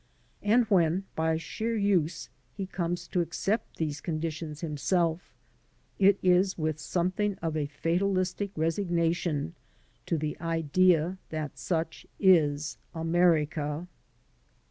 And when by sheer use he comes to accept these conditions himself, it is with something of a fatalistic resignation to the idea that such is America.